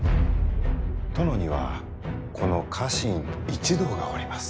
殿にはこの家臣一同がおります。